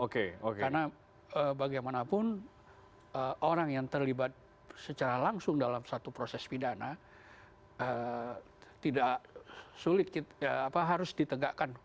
karena bagaimanapun orang yang terlibat secara langsung dalam satu proses pidana tidak sulit harus ditegakkan